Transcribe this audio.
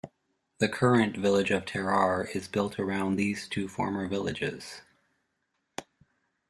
The current village of Ter Aar is built around these two former villages.